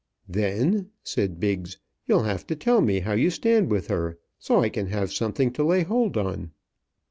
"Then," said Biggs, "you'll have to tell me how you stand with her, so I can have something to lay hold on."